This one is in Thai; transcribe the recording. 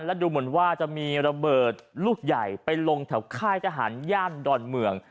แล้วดูเหมือนว่าจะมีระเบิดลูกใหญ่ไปลงแถวค่ายทหารย่านดอนเมือง